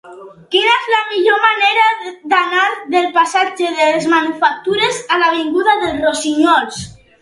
Quina és la millor manera d'anar del passatge de les Manufactures a l'avinguda dels Rossinyols?